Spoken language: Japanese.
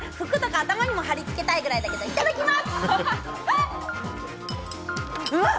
頭にも貼り付けたいくらいだけど、いただきます。